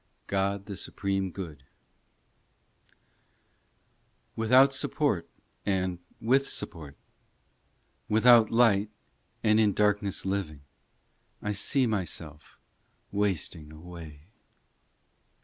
GOD THE SUPREME GOOD WITHOUT support, and with support, Without light and in darkness living, I see myself wasting away.